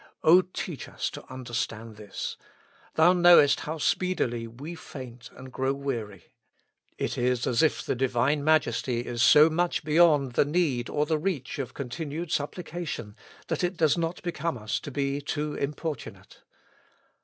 O teach us to understand this. Thou knowest how speedily we grow faint and weary. It is as if the Divine Majesty is so much beyond the need or the reach of continued supplication, that it does not become us to be too im 130 With Christ in the School of Prayer. portunate.